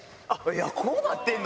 こうなってんの？